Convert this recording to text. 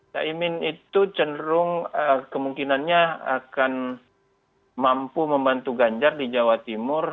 cak imin itu cenderung kemungkinannya akan mampu membantu ganjarra di jawa timur